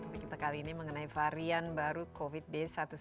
tapi kita kali ini mengenai varian baru covid b satu ratus tujuh belas